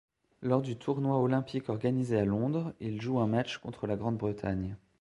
Lors du tournoi olympique organisé à Londres, il joue un match contre la Grande-Bretagne.